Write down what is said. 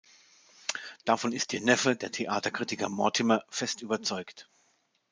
Davon ist ihr Neffe, der Theaterkritiker Mortimer, fest überzeugt.